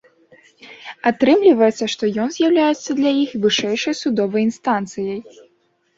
Атрымліваецца, што ён з'яўляецца для іх вышэйшай судовай інстанцыяй.